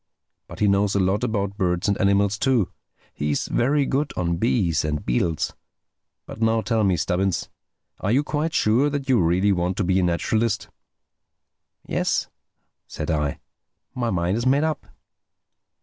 But he knows a lot about birds and animals too. He's very good on bees and beetles—But now tell me, Stubbins, are you quite sure that you really want to be a naturalist?" "Yes," said I, "my mind is made up."